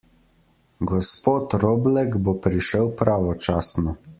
Gospod Roblek bo prišel pravočasno.